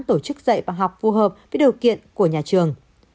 tổ chức dạy và học phù hợp với điều kiện của nhà trường